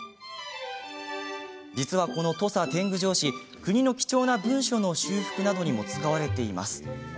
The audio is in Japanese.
実は、この土佐典具帖紙国の貴重な文書の修復などにも使われています。